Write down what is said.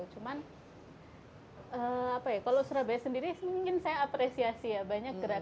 cuman apa ya kalau surabaya sendiri mungkin saya apresiasi ya banyak gerakan